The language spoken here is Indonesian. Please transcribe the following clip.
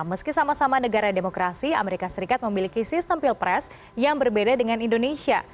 meski sama sama negara demokrasi amerika serikat memiliki sistem pilpres yang berbeda dengan indonesia